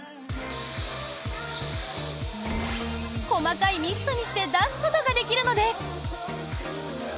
細かいミストにして出すことができるのです。